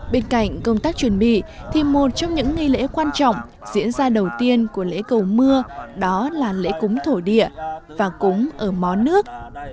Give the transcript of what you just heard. bên cạnh công tác chuẩn bị thì một trong những nghi lễ quan trọng diễn ra đầu tiên của lễ cầu mưa đó là lễ cúng thổ địa và cúng ở mó nước